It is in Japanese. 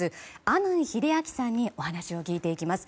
阿南英明さんにお話を聞いていきます。